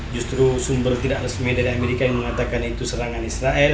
justru sumber tidak resmi dari amerika yang mengatakan itu serangan israel